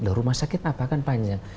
loh rumah sakit apa kan panjang